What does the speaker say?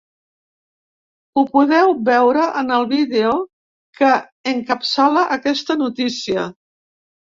Ho podeu veure en el vídeo que encapçala aquesta notícia.